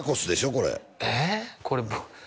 これえっ？